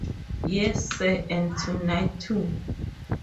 Yes, sir, and tonight, too.